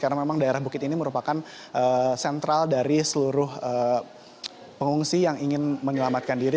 karena memang daerah bukit ini merupakan sentral dari seluruh pengungsi yang ingin menyelamatkan diri